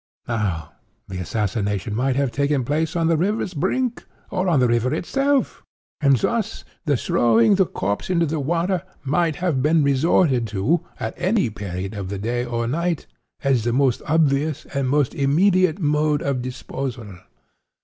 Now, the assassination might have taken place upon the river's brink, or on the river itself; and, thus, the throwing the corpse in the water might have been resorted to, at any period of the day or night, as the most obvious and most immediate mode of disposal.